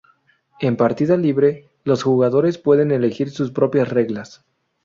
En partida libre, los jugadores pueden elegir sus propias reglas.